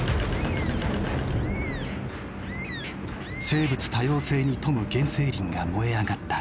生物多様性に富む原生林が燃え上がった。